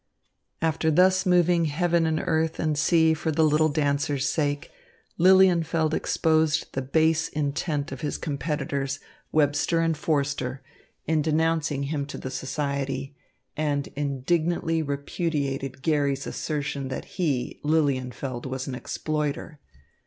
After thus moving heaven and earth and sea for the little dancer's sake, Lilienfeld exposed the base intent of his competitors, Webster and Forster, in denouncing him to the Society, and indignantly repudiated Garry's assertion that he, Lilienfeld, was an exploiter.